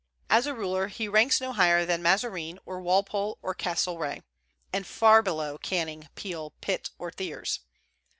As a ruler he ranks no higher than Mazarin or Walpole or Castlereagh, and far below Canning, Peel, Pitt, or Thiers.